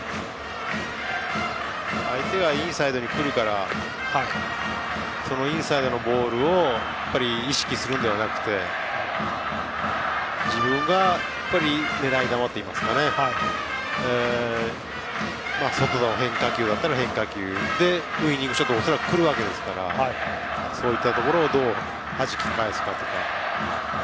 相手がインサイドに来るからそのインサイドのボールを意識するのではなくて自分の狙い球外の変化球なら変化球でウイニングショットが恐らく来るわけですからそういったところをどう、はじき返すかとか。